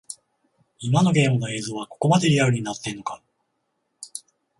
今のゲームの映像はここまでリアルになってんのか